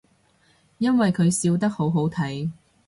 因為佢笑得好好睇